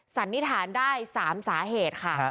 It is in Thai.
สันนิษฐานได้๓สาเหตุค่ะ